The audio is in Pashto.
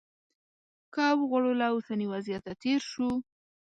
که وغواړو له اوسني وضعیته تېر شو.